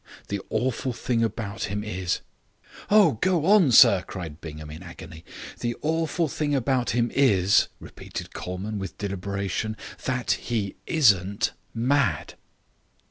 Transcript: The awful thing about him is " "Oh, go on, sir," cried Bingham, in agony. "The awful thing about him is," repeated Colman, with deliberation, "that he isn't mad."